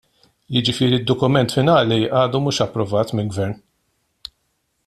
Jiġifieri d-dokument finali għadu mhux approvat mill-Gvern.